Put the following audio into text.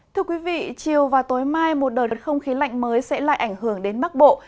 thưa quý vị chiều và tối mai một đợt không khí lạnh mới sẽ lại ảnh hưởng đến bắc bộ